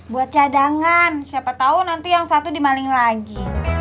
buat cadangan siapa tau nanti yang satu dimaling lagi